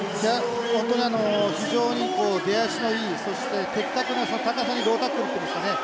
本当に非常に出足のいいそして的確な高さにロータックルっていうんですかね